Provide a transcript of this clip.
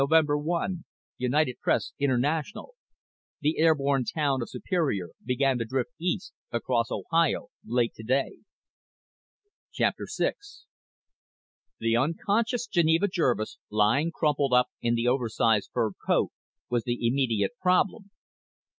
1 (UPI) The airborne town of Superior began to drift east across Ohio late today._ VI The unconscious Geneva Jervis, lying crumpled up in the oversized fur coat, was the immediate problem.